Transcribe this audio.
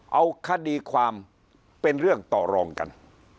เอาคดีความเป็นเรื่องต่อรองกัน